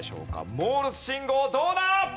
モールス信号どうだ？